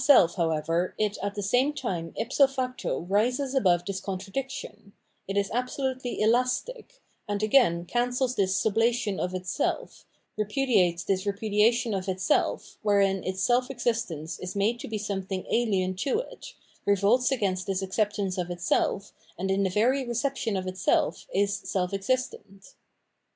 Qua self, however. 5^2 PhenoTnenohgy of Mind it at the same time ipso facto rises above this contradic tion; it is absolutely elastic, and again cancels this sublation of itself, repudiates this repudiation of itself, wherein its self ezistence is made to be something ahen to it, revolts against this acceptance of itself and in the very reception of itself is self existent.